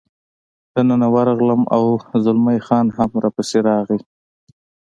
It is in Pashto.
دننه ورغلم، او زلمی خان هم را پسې راغلل.